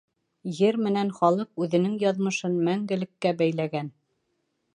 Ер менән халыҡ үҙенең яҙмышын мәңгелеккә бәйләгән.